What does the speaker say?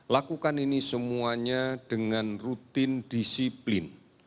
lakukan ini semuanya dengan rutin disiplin